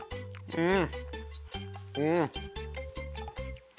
うん！